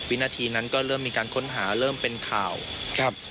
วินาทีนั้นก็เริ่มมีการค้นหาเริ่มเป็นข่าวครับ